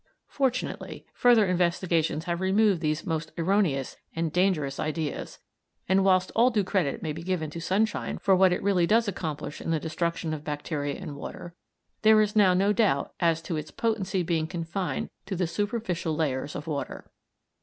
Fortunately further investigations have removed these most erroneous and dangerous ideas; and whilst all due credit may be given to sunshine for what it really does accomplish in the destruction of bacteria in water, there is now no doubt as to its potency being confined to the superficial layers of water.